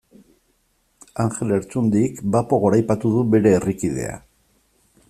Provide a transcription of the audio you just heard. Anjel Lertxundik bapo goraipatu du bere herrikidea.